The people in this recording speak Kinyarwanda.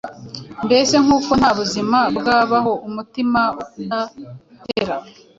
mbese nkuko nta buzima bwabaho umutima udatera